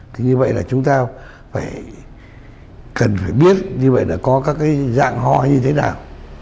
thì như vậy là chúng ta phải cần phải biết như vậy là có các cái dạng ho như thế nào